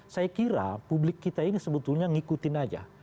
saya kira publik kita ini sebetulnya ngikutin aja